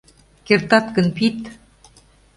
Кертат гын, пид!